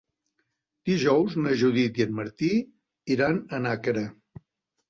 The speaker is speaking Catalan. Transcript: Dijous na Judit i en Martí iran a Nàquera.